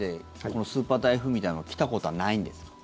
このスーパー台風みたいなの来たことはないんですか？